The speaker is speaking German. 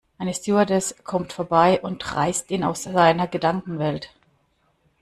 Eine Stewardess kommt vorbei und reißt ihn aus seiner Gedankenwelt.